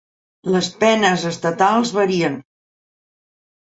Les penes estatals varien.